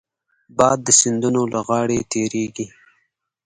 باد د سیندونو له غاړې تېرېږي